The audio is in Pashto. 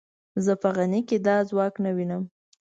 زه په غني کې دا ځواک نه وینم.